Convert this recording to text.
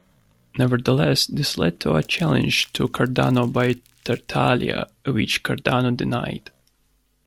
Nevertheless, this led to a challenge to Cardano by Tartaglia, which Cardano denied.